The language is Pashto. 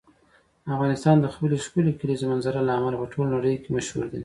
افغانستان د خپلې ښکلې کلیزو منظره له امله په ټوله نړۍ کې مشهور دی.